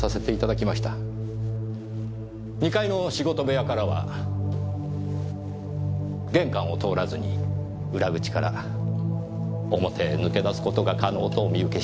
２階の仕事部屋からは玄関を通らずに裏口から表へ抜け出す事が可能とお見受けしました。